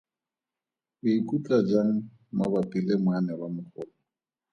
O ikutlwa jang mabapi le moanelwamogolo?